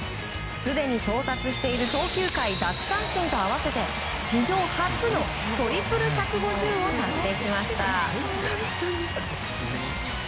すでに到達している投球回、奪三振と合わせて史上初のトリプル１５０を達成しました。